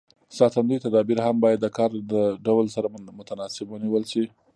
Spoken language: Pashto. ساتندوی تدابیر هم باید د کار د ډول سره متناسب ونیول شي.